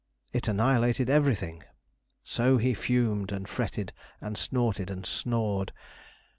It annihilated everything. So he fumed, and fretted, and snorted, and snored.